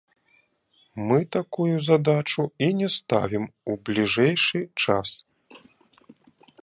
Мы такую задачу і не ставім у бліжэйшы час.